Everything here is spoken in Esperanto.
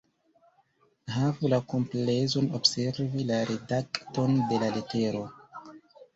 Havu la komplezon observi la redakton de la letero.